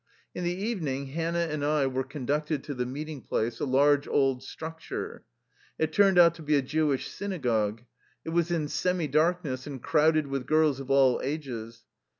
In the evening Hannah and I were conducted to the meeting place, a large, old structure. It turned out to be a Jewish synagogue. It was in semi darkness, and crowded with girls of all ages.